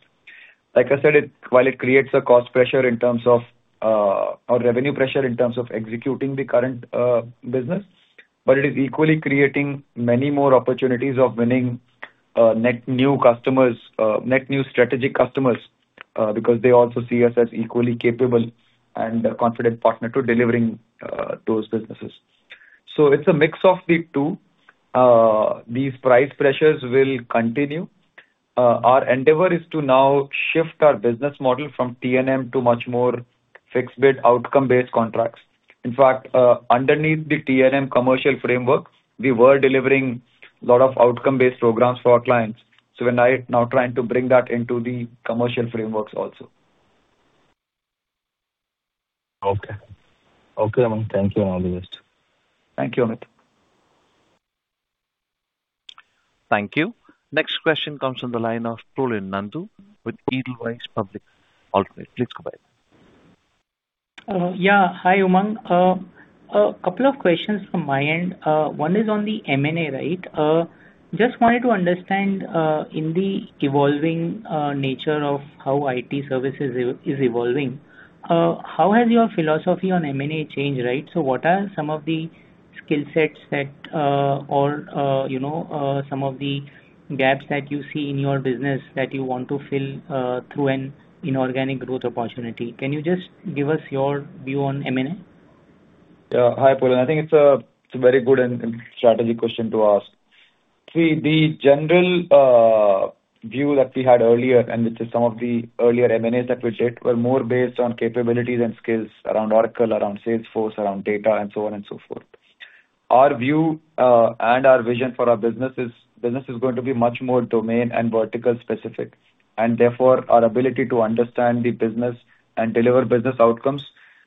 Like I said, while it creates a cost pressure or revenue pressure in terms of executing the current business, but it is equally creating many more opportunities of winning net new strategic customers because they also see us as equally capable and a confident partner to delivering those businesses. It's a mix of the two. These price pressures will continue. Our endeavor is to now shift our business model from TNM to much more fixed bid outcome-based contracts. In fact, underneath the TNM commercial framework, we were delivering a lot of outcome-based programs for our clients. We're now trying to bring that into the commercial frameworks also. Okay. Okay Umang. Thank you, for all of it. Thank you, Amit. Thank you. Next question comes from the line of Prolin Nandu with Edelweiss Public Alternatives. Please go ahead. Yeah. Hi, Umang. A couple of questions from my end. One is on the M&A. Just wanted to understand in the evolving nature of how IT services is evolving, how has your philosophy on M&A changed? What are some of the skill sets or some of the gaps that you see in your business that you want to fill through an inorganic growth opportunity? Can you just give us your view on M&A? Yeah. Hi, Prolin. I think it's a very good and strategic question to ask. See, the general view that we had earlier, and which is some of the earlier M&As that we did, were more based on capabilities and skills around Oracle, around Salesforce, around data, and so on and so forth. Our view and our vision for our business is business going to be much more domain and vertical specific, and therefore our ability to understand the business and deliver business outcomes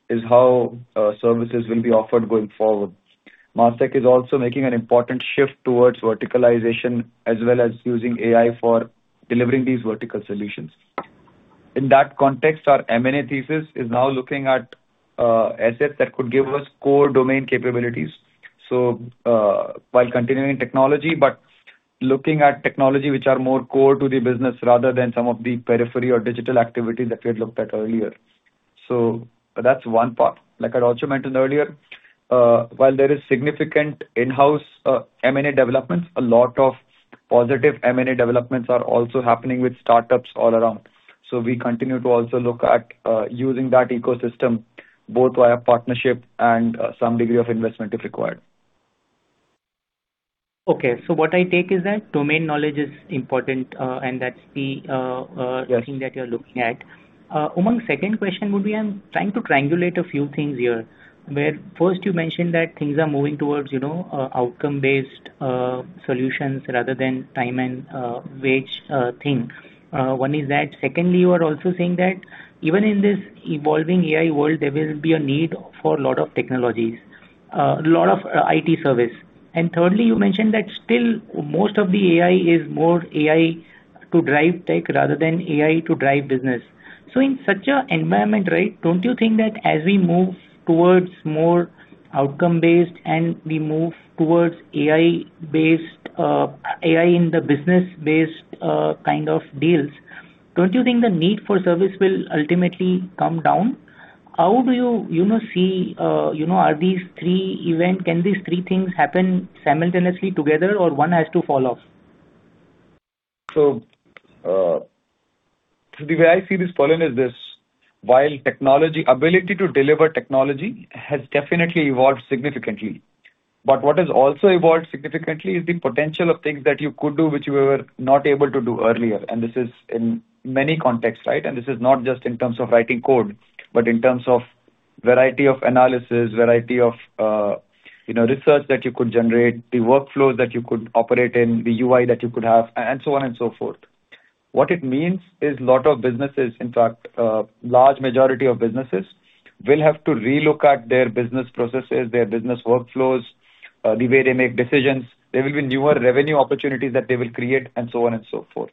is how services will be offered going forward. Mastek is also making an important shift towards verticalization as well as using AI for delivering these vertical solutions. In that context, our M&A thesis is now looking at assets that could give us core domain capabilities. While continuing technology, but looking at technology which are more core to the business rather than some of the periphery or digital activity that we had looked at earlier. That's one part. Like I'd also mentioned earlier, while there is significant in-house M&A developments, a lot of positive M&A developments are also happening with startups all around. We continue to also look at using that ecosystem both via partnership and some degree of investment if required. Okay. What I take is that domain knowledge is important and there are thing that you're looking at. Yes. Umang, second question would be, I'm trying to triangulate a few things here, where first you mentioned that things are moving towards outcome-based solutions rather than time and materials thing. One is that. Secondly, you are also saying that even in this evolving AI world, there will be a need for lot of technologies, lot of IT service. Thirdly, you mentioned that still most of the AI is more AI to drive tech rather than AI to drive business. In such an environment, don't you think that as we move towards more outcome-based and we move towards AI in the business-based kind of deals, don't you think the need for service will ultimately come down? How do you see? Can these three things happen simultaneously together or one has to fall off? The way I see this, Prolin, is this. While ability to deliver technology has definitely evolved significantly, but what has also evolved significantly is the potential of things that you could do which you were not able to do earlier. This is in many contexts. This is not just in terms of writing code, but in terms of variety of analysis, variety of research that you could generate, the workflows that you could operate in, the UI that you could have, and so on and so forth. What it means is lot of businesses, in fact, large majority of businesses, will have to relook at their business processes, their business workflows, the way they make decisions. There will be newer revenue opportunities that they will create, and so on and so forth.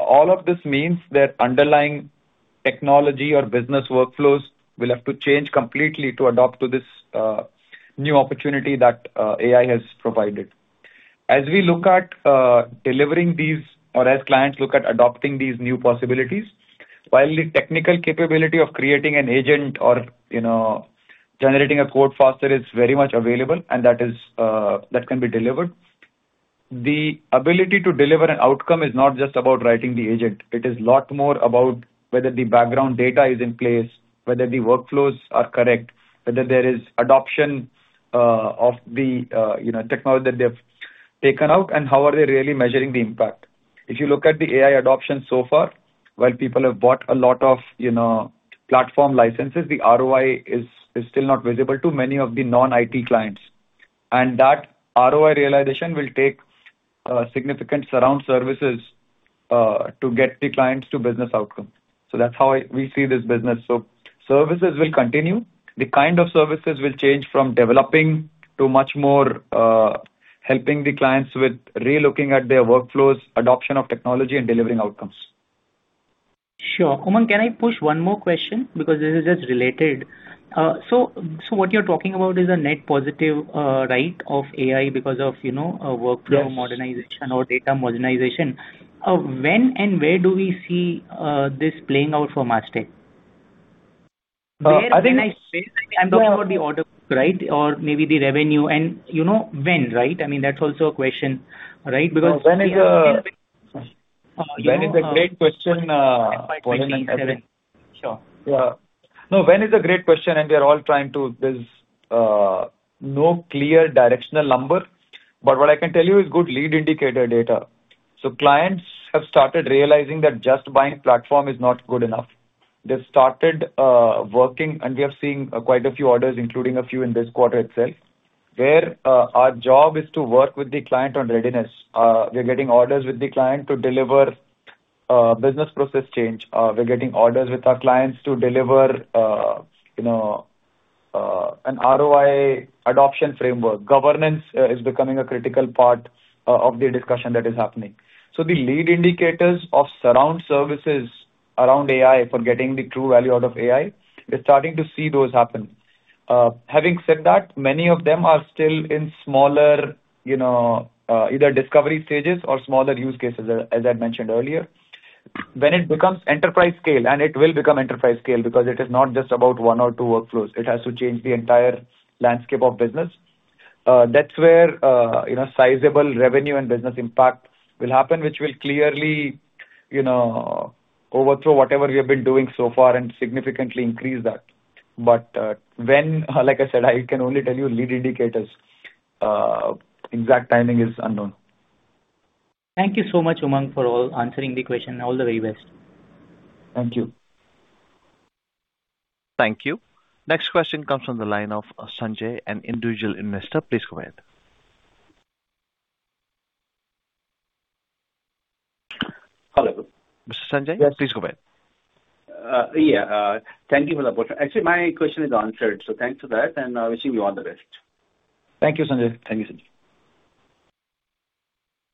All of this means that underlying technology or business workflows will have to change completely to adapt to this new opportunity that AI has provided. As we look at delivering these or as clients look at adopting these new possibilities, while the technical capability of creating an agent or generating a code faster is very much available and that can be delivered. The ability to deliver an outcome is not just about writing the agent. It is a lot more about whether the background data is in place, whether the workflows are correct, whether there is adoption of the technology that they have taken out, and how are they really measuring the impact. If you look at the AI adoption so far, while people have bought a lot of platform licenses, the ROI is still not visible to many of the non-IT clients. That ROI realization will take significant surround services to get the clients to business outcomes. That's how we see this business. Services will continue. The kind of services will change from developing to much more helping the clients with relooking at their workflows, adoption of technology and delivering outcomes. Sure. Umang, can I push one more question because this is just related. What you're talking about is a net positive, right, of AI because of workflow modernization or data modernization. When and where do we see this playing out for Mastek? I think. I'm talking about the order book, right? Or maybe the revenue and when, right? I mean, that's also a question, right? Great question. Sure. Yeah. No, [when] is a great question and we are all trying to. There's no clear directional number, but what I can tell you is good lead indicator data. Clients have started realizing that just buying platform is not good enough. They've started working and we are seeing quite a few orders, including a few in this quarter itself, where our job is to work with the client on readiness. We're getting orders with the client to deliver business process change. We're getting orders with our clients to deliver an ROI adoption framework. Governance is becoming a critical part of the discussion that is happening. The lead indicators of surround services around AI for getting the true value out of AI, we're starting to see those happen. Having said that, many of them are still in smaller either discovery stages or smaller use cases as I'd mentioned earlier. When it becomes enterprise scale, and it will become enterprise scale because it is not just about one or two workflows, it has to change the entire landscape of business. That's where sizable revenue and business impact will happen, which will clearly overthrow whatever we have been doing so far and significantly increase that. When? Like I said, I can only tell you lead indicators. Exact timing is unknown. Thank you so much, Umang, for answering the question. All the very best. Thank you. Thank you. Next question comes from the line of Sanjay, an individual investor. Please go ahead. Hello. Mr. Sanjay? Yes. Please go ahead. Yeah. Thank you for the opportunity. Actually, my question is answered, so thanks for that, and wishing you all the best. Thank you, Sanjay. Thank you, Sanjay.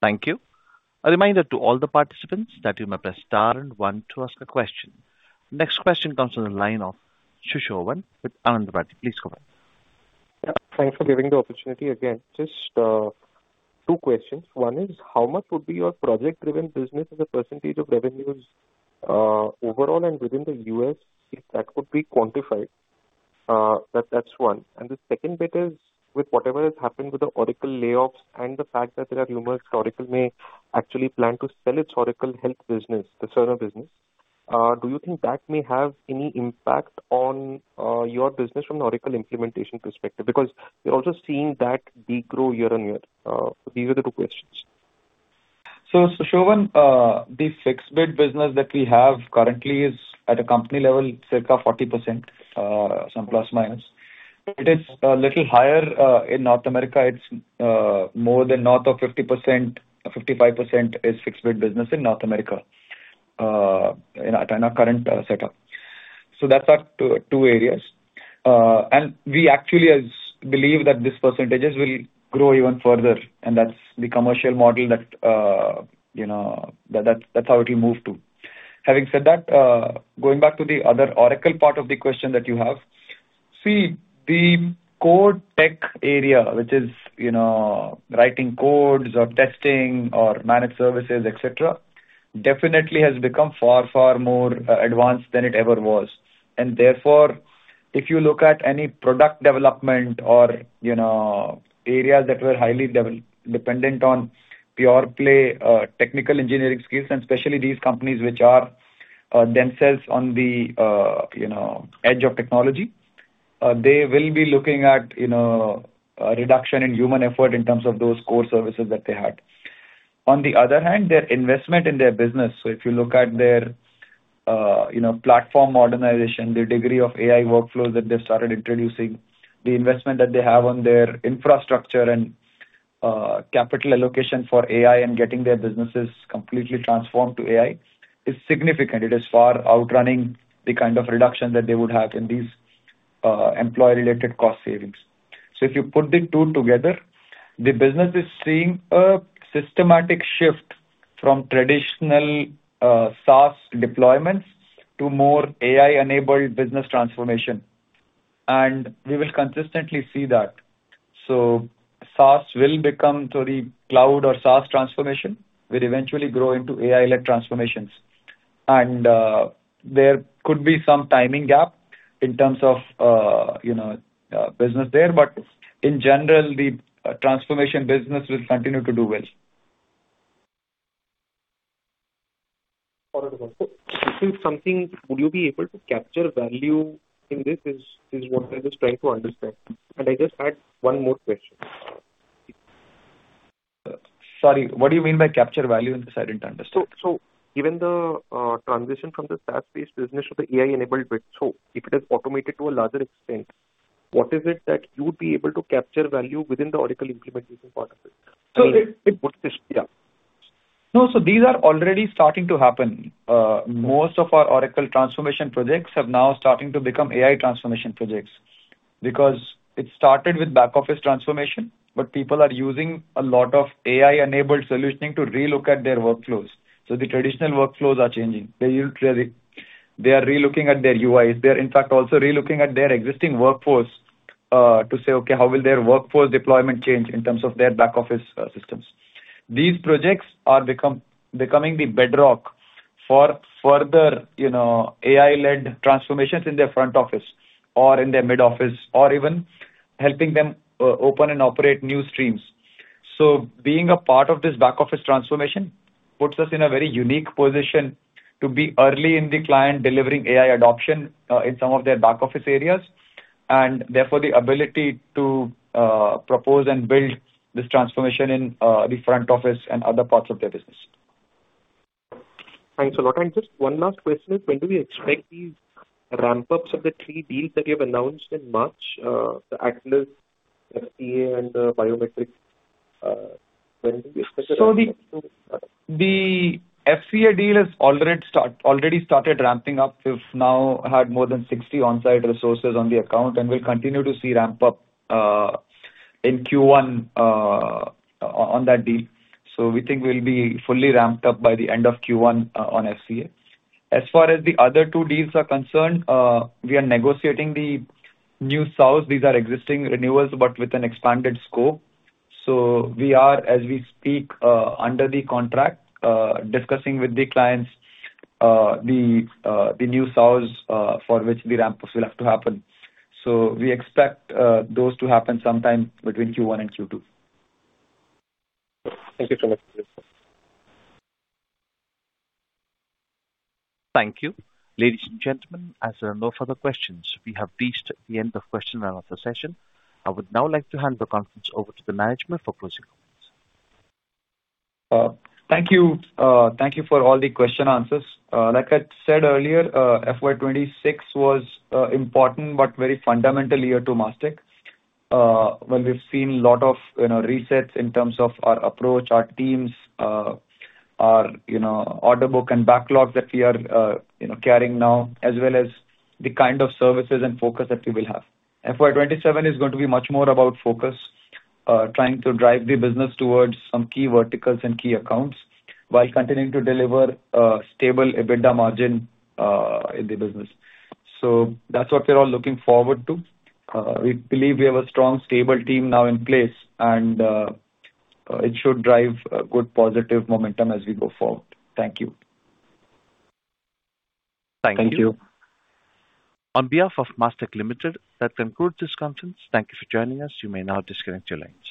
Thank you. A reminder to all the participants that you may press star and one to ask a question. Next question comes from the line of Sushovan with Anand Rathi. Please go ahead. Thanks for giving the opportunity again. Just two questions. One is, how much would be your project-driven business as a percentage of revenues, overall and within the U.S., if that could be quantified? That's one. And the second bit is, with whatever has happened with the Oracle layoffs and the fact that there are rumors Oracle may actually plan to sell its Oracle Health business, the Cerner business, do you think that may have any impact on your business from Oracle implementation perspective? Because we're also seeing that degrow year-on-year. These are the two questions. Sushovan, the fixed bid business that we have currently is at a company level circa 40%, some plus minus. It is a little higher. In North America, it's more than north of 50%. 55% is fixed bid business in North America in our current setup. That's our two areas. We actually believe that these percentages will grow even further and that's the commercial model, that's how it will move to. Having said that, going back to the other Oracle part of the question that you have. See, the code tech area, which is writing codes or testing or managed services, et cetera, definitely has become far, far more advanced than it ever was. Therefore, if you look at any product development or areas that were highly dependent on pure play technical engineering skills, and especially these companies which are themselves on the edge of technology. They will be looking at reduction in human effort in terms of those core services that they had. On the other hand, their investment in their business if you look at their platform modernization, the degree of AI workflows that they've started introducing, the investment that they have on their infrastructure and capital allocation for AI and getting their businesses completely transformed to AI is significant. It is far outrunning the kind of reduction that they would have in these employee-related cost savings. If you put the two together, the business is seeing a systematic shift from traditional SaaS deployments to more AI-enabled business transformation. We will consistently see that. Cloud or SaaS transformation will eventually grow into AI-led transformations. There could be some timing gap in terms of business there. In general, the transformation business will continue to do well. Wonderful. This is something, would you be able to capture value in this, is what I was trying to understand. I just had one more question. Sorry, what do you mean by capture value in this? I didn't understand. Given the transition from the SaaS-based business to the AI-enabled bit, so if it is automated to a larger extent, what is it that you'd be able to capture value within the Oracle implementation part of it? These are already starting to happen. Most of our Oracle transformation projects have now starting to become AI transformation projects. Because it started with back-office transformation, but people are using a lot of AI-enabled solutioning to relook at their workflows. The traditional workflows are changing. They are relooking at their UIs. They're in fact also relooking at their existing workforce, to say, okay, how will their workforce deployment change in terms of their back-office systems? These projects are becoming the bedrock for further AI-led transformations in their front office or in their mid office or even helping them open and operate new streams. Being a part of this back-office transformation puts us in a very unique position to be early in the client delivering AI adoption in some of their back-office areas, and therefore the ability to propose and build this transformation in the front office and other parts of their business. Thanks a lot. Just one last question is, when do we expect these ramp-ups of the three deals that you have announced in March, the ATLAS, FCA, and Biometrics? The FCA deal has already started ramping up. We've now had more than 60 on-site resources on the account, and we'll continue to see ramp up in Q1 on that deal. We think we'll be fully ramped up by the end of Q1 on FCA. As far as the other two deals are concerned, we are negotiating the new SOW. These are existing renewals, but with an expanded scope. We are, as we speak, under the contract, discussing with the clients the new SOW, for which the ramp-ups will have to happen. We expect those to happen sometime between Q1 and Q2. Thank you so much. Thank you. Ladies and gentlemen, as there are no further questions, we have reached the end of question-and-answer session. I would now like to hand the conference over to the management for closing comments. Thank you for all the questions and answers. Like I said earlier, FY 2026 was important, but a very fundamental year to Mastek. Where we've seen a lot of resets in terms of our approach, our teams, our order book and backlogs that we are carrying now, as well as the kind of services and focus that we will have. FY 2027 is going to be much more about focus. Trying to drive the business towards some key verticals and key accounts while continuing to deliver a stable EBITDA margin in the business. That's what we're all looking forward to. We believe we have a strong, stable team now in place, and it should drive good positive momentum as we go forward. Thank you. Thank you. Thank you. On behalf of Mastek Limited, that concludes this conference. Thank you for joining us. You may now disconnect your lines.